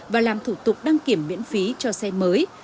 và làm thủ tục đăng kiểm miễn phí cho xe mới